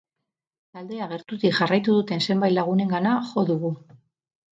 Taldea gertutik jarraitu duten zenbati lagunengana jo dugu.